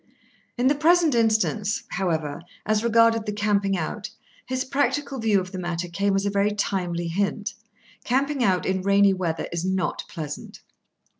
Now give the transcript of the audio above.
In the present instance, however, as regarded the camping out, his practical view of the matter came as a very timely hint. Camping out in rainy weather is not pleasant.